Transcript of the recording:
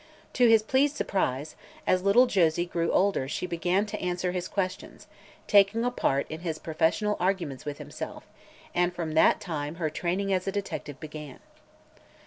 To his pleased surprise, as little Josie grew older she began to answer his questions, taking a part in his professional arguments with himself, and from that time her training as a detective began.